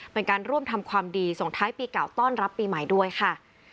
เป็นการร่วมทำความดีส่งท้ายปีเก่าต้อนรับปีใหม่ด้วยค่ะ